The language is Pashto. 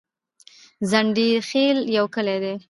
ځنډيخيل يو کلي ده